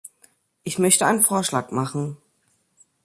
Ich möchte einen Vorschlag machen.